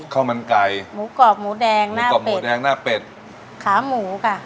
ข้าวมันไก่หมูกรอบหมูแดงหน้ากรอบหมูแดงหน้าเป็ดขาหมูค่ะ